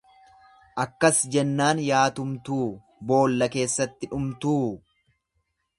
Akkas jennaan yaa tumtuu boolla keessatti dhumtuu.